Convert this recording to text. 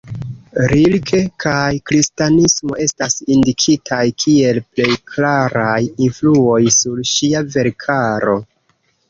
Rilke kaj kristanismo estas indikitaj kiel plej klaraj influoj sur ŝia verkaro.